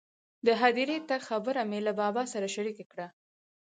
د هدیرې تګ خبره مې له بابا سره شریکه کړه.